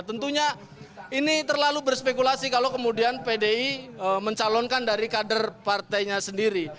tentunya ini terlalu berspekulasi kalau kemudian pdi mencalonkan dari kader partainya sendiri